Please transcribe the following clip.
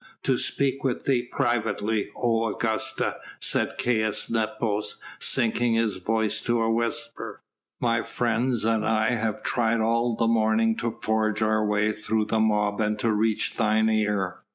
"To speak with thee privately, O Augusta!" said Caius Nepos, sinking his voice to a whisper. "My friends and I have tried all the morning to forge our way through the mob and to reach thine ear.